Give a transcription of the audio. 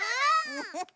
フフフフ。